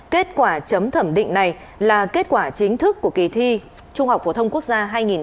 kết quả chấm thẩm định này là kết quả chính thức của kỳ thi trung học phổ thông quốc gia hai nghìn một mươi tám